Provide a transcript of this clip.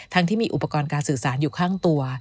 ที่มีอุปกรณ์การสื่อสารอยู่ข้างตัว